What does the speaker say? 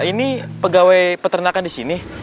ini pegawai peternakan disini